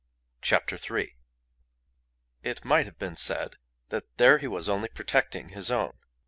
CHAPTER THREE It might have been said that there he was only protecting his own.